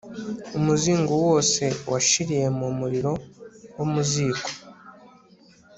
umuzingo wose washiriye mu muriro wo mu ziko